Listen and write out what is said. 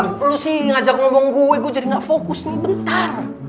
lu sih ngajak ngomong gue gue jadi gak fokus nih bentar